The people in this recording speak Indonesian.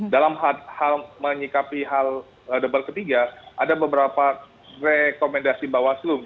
dalam hal menyikapi hal debat ketiga ada beberapa rekomendasi bawaslu